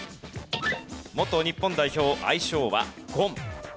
元日本代表愛称は「ゴン」。